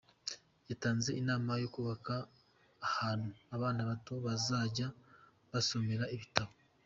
Yatanze inama yo kubaka ahantu abana bato bazajya basomera ibitabo.